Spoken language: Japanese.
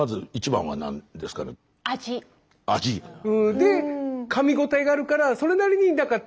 でかみごたえがあるからそれなりにあぁ。